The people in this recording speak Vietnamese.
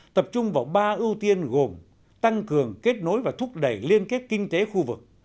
tập trung vào ba ưu tiên gồm tăng cường kết nối và thúc đẩy liên kết kinh tế khu vực